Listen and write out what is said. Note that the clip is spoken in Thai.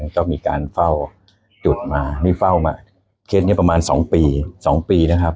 ก็มีการเฝ้าจุดมานี่เฝ้ามาเคสนี้ประมาณ๒ปี๒ปีนะครับ